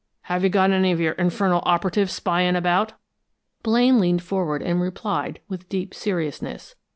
Have you got any of your infernal operatives spying about?" Blaine leaned forward and replied with deep seriousness.